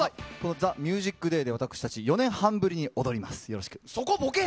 ＴＨＥＭＵＳＩＣＤＡＹで私たち４年半ぶりに踊ります、よろしく。